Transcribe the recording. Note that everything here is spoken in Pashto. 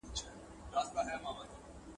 مات لاس د غاړي امېل دئ.